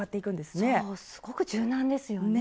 そうすごく柔軟ですよね。